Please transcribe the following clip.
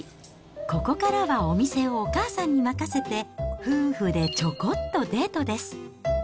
ここからはお店をお母さんに任せて、夫婦でちょこっとデートです。